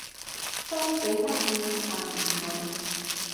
都幾得意但唔係